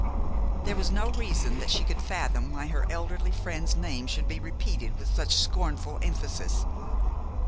There was no reason that she could fathom why her elderly friend's name should be repeated with such scornful emphasis.